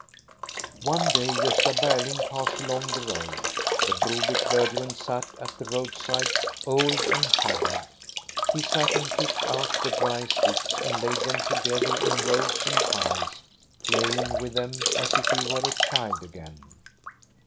One day Gosta Berling passed along the road. The Broby clergyman sat at the roadside, old and haggard. He sat and picked out the dry sticks and laid them together in rows and piles, playing with them as if he were a child again.